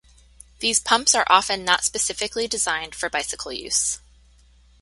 These pumps are often not specifically designed for bicycle use.